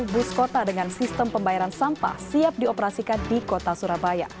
bus kota dengan sistem pembayaran sampah siap dioperasikan di kota surabaya